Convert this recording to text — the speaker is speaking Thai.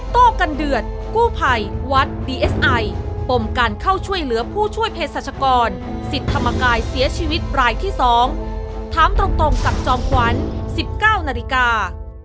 โต้กันเดือดกู้ภัยวัดดีเอสไอปมการเข้าช่วยเหลือผู้ช่วยเพศรัชกรสิทธิ์ธรรมกายเสียชีวิตรายที่๒ถามตรงกับจอมขวัญ๑๙นาฬิกา